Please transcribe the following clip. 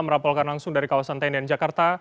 merapokan langsung dari kawasan tendian jakarta